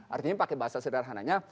artinya pakai bahasa sederhananya